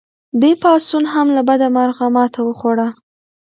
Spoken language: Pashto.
دې پاڅون هم له بده مرغه ماته وخوړه.